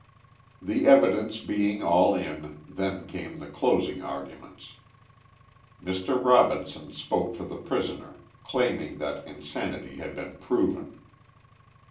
The evidence being all in, then came the closing arguments. Mr. Robinson spoke for the prisoner, claiming that insanity had been proven.